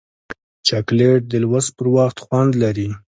چاکلېټ د لوست پر وخت خوند لري.